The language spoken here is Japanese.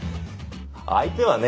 相手はね